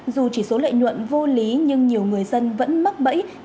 dù chỉ số lợi nhuận vô lý nhưng nhiều người dân vẫn mắc bẫy tham gia vào các loại tài sản